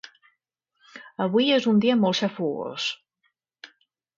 Avui és un dia molt xafogós